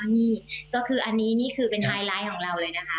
อ๋อนี่ก็คือเป็นไฮไลท์ของเราเลยนะคะ